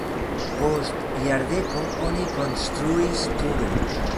Post jardeko oni konstruis turon.